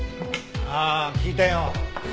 ああ聞いたよ。